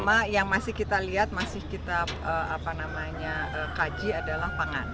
sama yang masih kita lihat masih kita apa namanya kaji adalah pangan